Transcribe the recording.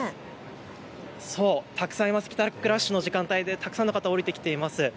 今、帰宅ラッシュの時間帯でたくさんの方、降りてきています。